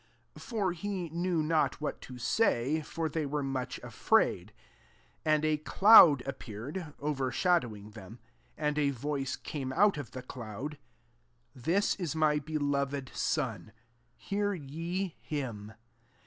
6 For he knew not what to say; for they were much afraid. 7 And a cloud appeared, overshadowing them : and a voice came out of the cloud, " This is my beloved Son : hear ye him.